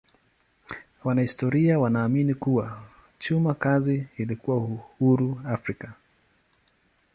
Wanahistoria wanaamini kuwa chuma kazi ilikuwa huru Afrika.